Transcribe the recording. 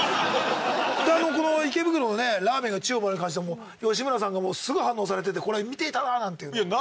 でこの池袋のねラーメンが宙を舞うに関しては吉村さんがすぐ反応されててこれ見ていたななんていう。